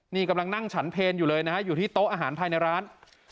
นี่กำลังนั่งฉันเพลอยู่เลยนะฮะอยู่ที่โต๊ะอาหารภายในร้าน